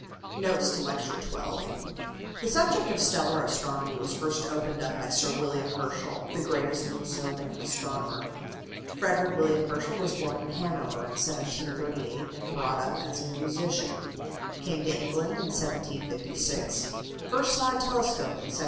NOTES TO LECTURE XII The subject of stellar astronomy was first opened up by Sir William Herschel, the greatest observing astronomer. Frederick William Herschel was born in Hanover in 1738, and brought up as a musician. Came to England in 1756. First saw a telescope in 1773.